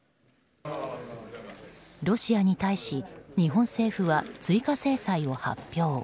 ロシアに対し、日本政府は追加制裁を発表。